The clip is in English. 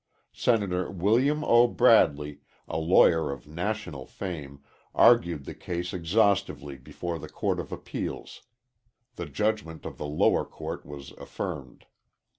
Senator William O. Bradley, a lawyer of national fame, argued the case exhaustively before the Court of Appeals. The judgment of the lower court was affirmed.